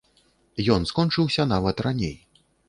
Ён скончыўся нават раней.